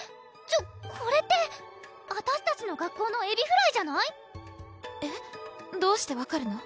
ちょこれってあたしたちの学校のエビフライじゃない⁉えっ？どうして分かるの？